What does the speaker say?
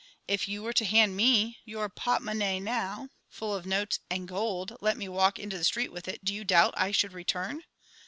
If you were to hand me your portemonnaie now, full of notes and gold, and let me walk into the street with it, do you doubt that I should return?